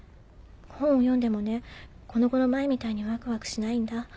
本を読んでもねこの頃前みたいにワクワクしないんだ。